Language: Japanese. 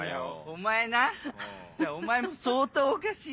お前なお前も相当おかしいぞ。